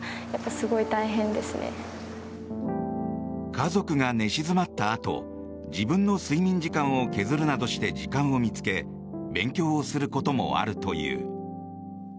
家族が寝静まったあと自分の睡眠時間を削るなどして時間を見つけ勉強をすることもあるという。